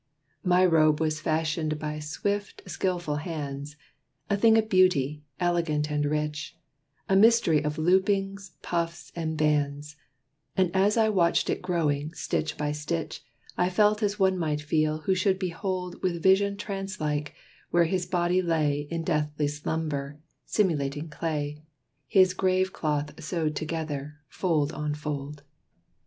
My robe was fashioned by swift, skillful hands A thing of beauty, elegant and rich, A mystery of loopings, puffs and bands; And as I watched it growing, stitch by stitch, I felt as one might feel who should behold With vision trance like, where his body lay In deathly slumber, simulating clay, His grave cloth sewed together, fold on fold.